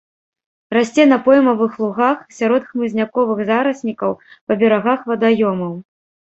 Расце на поймавых лугах, сярод хмызняковых зараснікаў, па берагах вадаёмаў.